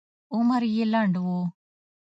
عمر یې لنډ و.